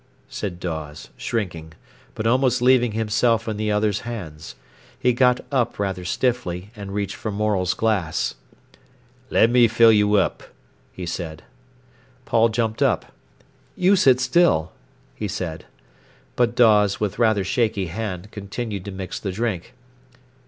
said Dawes, shrinking, but almost leaving himself in the other's hands. He got up rather stiffly, and reached for Morel's glass. "Let me fill you up," he said. Paul jumped up. "You sit still," he said. But Dawes, with rather shaky hand, continued to mix the drink.